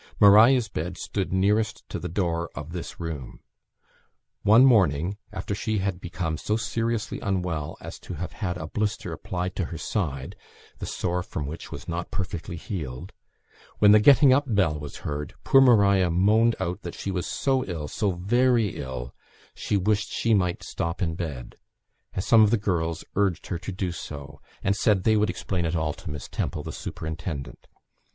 Maria's bed stood nearest to the door of this room. One morning, after she had become so seriously unwell as to have had a blister applied to her side (the sore from which was not perfectly healed), when the getting up bell was heard, poor Maria moaned out that she was so ill, so very ill, she wished she might stop in bed; and some of the girls urged her to do so, and said they would explain it all to Miss Temple, the superintendent.